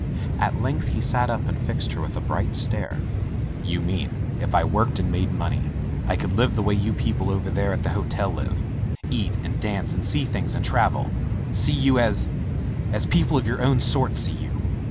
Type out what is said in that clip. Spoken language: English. At length he sat up and fixed her with a bright stare. "You mean if I worked and made money, I could live the way you people over there at the hotel live ; eat and dance and see things and travel — see you as — as people of yourown sort see you?"